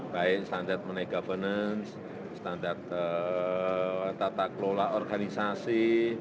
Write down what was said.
baik standar menaik governance standar tata kelola organisasi